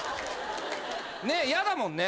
ねっ嫌だもんね。